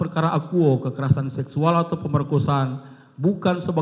kita harus membuatnya